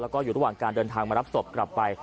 แล้วก็อยู่ระหว่างการเดินทางมารับศพกลับไป